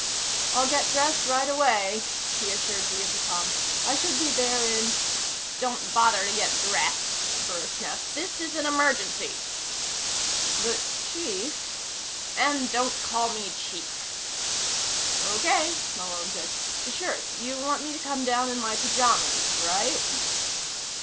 "I'll get dressed right away," he assured the intercom. "I should be there in " "Don't bother to get dressed," Burris snapped. "This is an emergency!" "But, Chief " "And don't call me Chief!" "Okay," Malone said. "Sure. You want me to come down in my pyjamas. Right?"